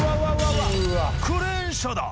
クレーン車だ！